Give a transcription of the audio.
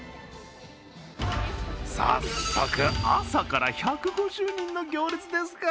早速、朝から１５０人の行列ですか。